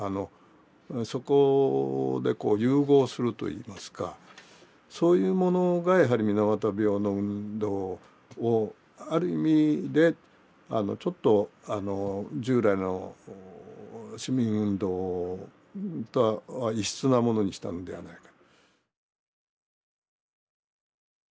そこでこう融合するといいますかそういうものがやはり水俣病の運動をある意味でちょっと従来の市民運動とは異質なものにしたのではないか。